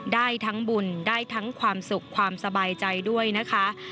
ได้ทั้งบุญได้ทั้งความสุขความสบายใจด้วยนะคะ